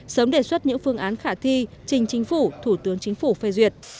sớm đề xuất những phương án khả thi trình chính phủ thủ tướng chính phủ phê duyệt